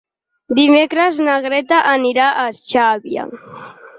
Dimecres na Greta anirà a Xàbia.